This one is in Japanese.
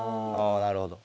なるほど。